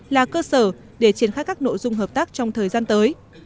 là cơ sở để triển khai các nội dung hợp tác trong thời gian tới